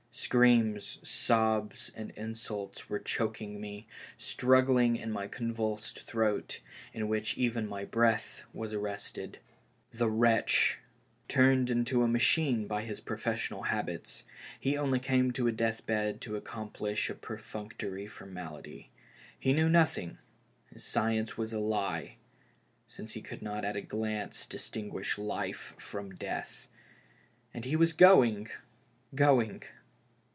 Screams, sobs and insults were choking me, struggling in my convulsed throat, in which even my breath was THE LAST HOPE. 255 arrested. The wretch ! Turned into a machine by his professional habits, he only came to a death bed to ac complish a perfunctory formality ; he knew nothing, his science was a lie, since he could not at a glance distin guish life from death — and he was going — going